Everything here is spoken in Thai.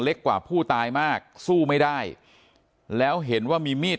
เล็กกว่าผู้ตายมากสู้ไม่ได้แล้วเห็นว่ามีมีด